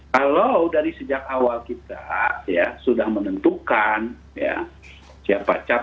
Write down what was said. lalu dari sejak awal kita sudah menentukan kita sudah bisa membahas kondisi kita sudah bisa mengatur kondisi kita sudah bisa membangun kondisi